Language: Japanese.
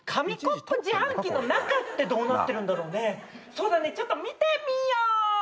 そうだねちょっと見てみよう！